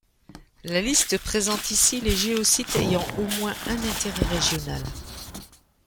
La liste présente ici les géosites ayant au moins un intérêt régional.